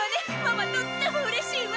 ママとっても嬉しいわ！